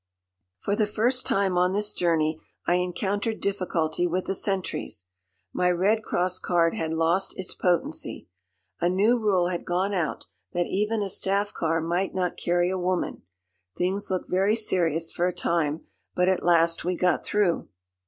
For the first time on this journey I encountered difficulty with the sentries. My Red Cross card had lost its potency. A new rule had gone out that even a staff car might not carry a woman. Things looked very serious for a time. But at last we got through.